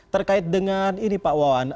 terkait dengan ini pak wawan